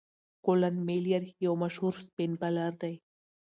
کولن میلیر یو مشهور سپېن بالر دئ.